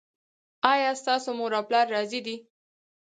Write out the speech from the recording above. ایا ستاسو مور او پلار راضي دي؟